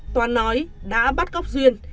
toán nói đã bắt cóc duyên